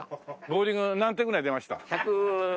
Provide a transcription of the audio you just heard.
ボウリング何点ぐらい出ました？